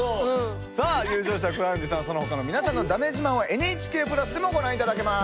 さあ優勝したクラウンジさんそのほかの皆さんのだめ自慢はＮＨＫ＋でもご覧いただけます。